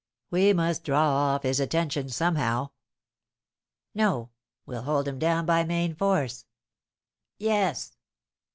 "We must draw off his attention somehow." "No; we'll hold him down by main force." "Yes!"